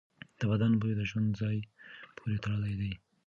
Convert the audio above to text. د بدن بوی د ژوند ځای پورې تړلی دی.